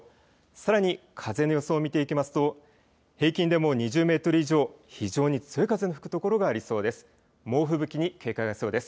さらに風の予想、見ていきますと平均でも２０メートル以上、非常に強い風の吹く所がありそうです。